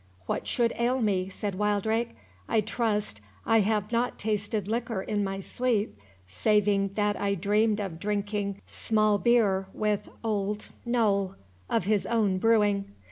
"What should ail me?" said Wildrake—"I trust I have not tasted liquor in my sleep, saving that I dreamed of drinking small beer with Old Noll, of his own brewing.